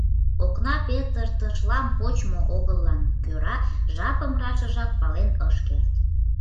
Окна петыртышлам почмо огыллан кӧра жапым рашыжак пален ыш керт.